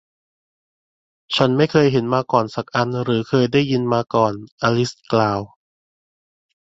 ฉันไม่เคยเห็นมาก่อนสักอันหรือเคยได้ยินมาก่อน อลิซกล่าว